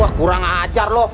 wah kurang ajar lu